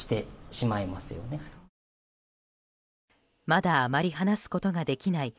まだあまり話すことができない